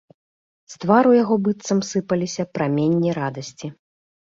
З твару яго быццам сыпаліся праменні радасці.